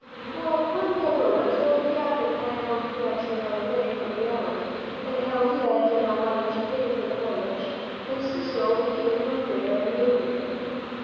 Well, when Balboa told the captain how he had to run away from the island, and how he had no money to pay for the voyage, Encisco became angrier and angrier.